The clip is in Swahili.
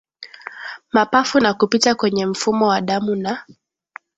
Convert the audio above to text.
mapafu na kupita kwenye mfumo wa damu na